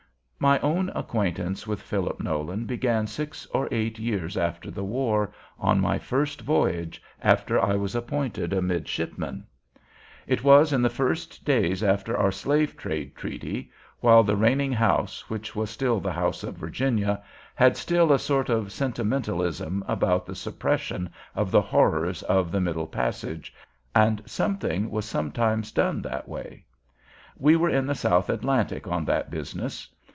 My own acquaintance with Philip Nolan began six or eight years after the English war, on my first voyage after I was appointed a midshipman. It was in the first days after our Slave Trade treaty, while the Reigning House, which was still the House of Virginia, had still a sort of sentimentalism about the suppression of the horrors of the Middle Passage, and something was sometimes done that way. We were in the South Atlantic on that business.